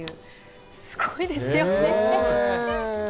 すごいですよね。